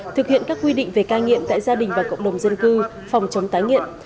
thực hiện các quy định về cai nghiện tại gia đình và cộng đồng dân cư phòng chống tái nghiện